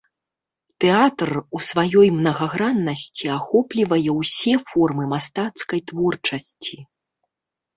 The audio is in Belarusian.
Тэатр у сваёй мнагаграннасці ахоплівае ўсе формы мастацкай творчасці.